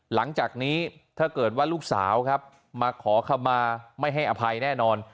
หลังจากนี้ถ้าเกิดว่าลูกสาวครับมาขอคำมาไม่ให้อภัยแน่นอน